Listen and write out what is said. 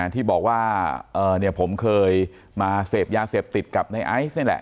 ที่บอกว่าผมเคยมาเสพยาเสพติดกับในไอซ์นี่แหละ